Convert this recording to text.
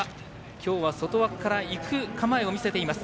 きょうは、外枠から行く構えを見せています。